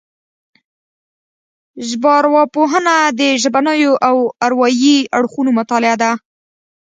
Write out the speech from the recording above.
ژبارواپوهنه د ژبنيو او اروايي اړخونو مطالعه ده